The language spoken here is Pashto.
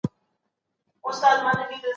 د پوهې دروازې باید ټولو انسانانو ته پرانیستې وي.